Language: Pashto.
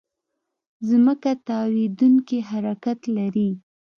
ځمکه تاوېدونکې حرکت لري.